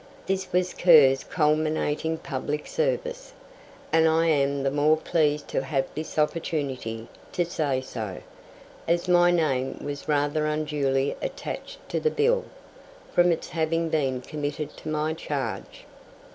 This was Kerr's culminating public service, and I am the more pleased to have this opportunity to say so, as my name was rather unduly attached to the bill, from its having been committed to my charge.